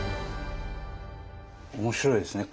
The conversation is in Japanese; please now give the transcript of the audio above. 面白いですね。